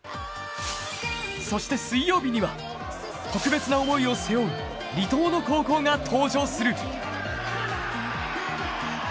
そして水曜日には特別な思いを背負う離島の高校が登場する。